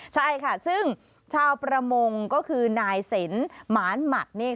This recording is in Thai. ใช่ค่ะซึ่งชาวประมงก็คือนายสินหมานหมัด